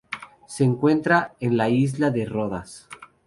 Se encuentra en la isla de Rodas.